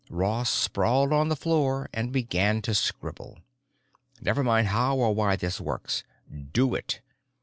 Ross sprawled on the floor and began to scribble: "Never mind how or why this works. Do it.